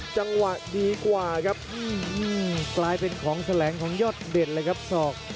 จังหวะดีกว่าครับกลายเป็นของแสลงของยอดเด่นเลยครับศอก